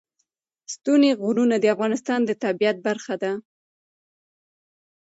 ستوني غرونه د افغانستان د طبیعت برخه ده.